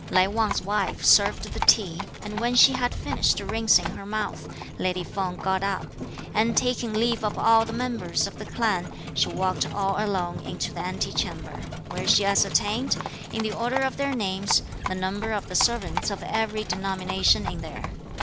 Lai Wang's wife served the tea; and when she had finished rinsing her mouth, lady Feng got up; and, taking leave of all the members of the clan, she walked all alone into the ante chamber, where she ascertained, in the order of their names, the number of the servants of every denomination in there.